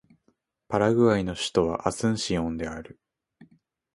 パラグアイの首都はアスンシオンである